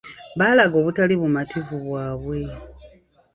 Baalaga obutali bumativu bwabwe.